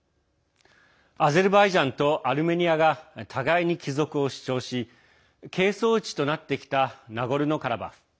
アゼルバイジャンとアルメニアが互いに帰属を主張し係争地となってきたナゴルノカラバフ。